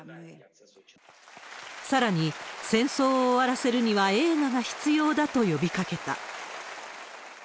さらに、戦争を終わらせるには映画が必要だと呼びかけた。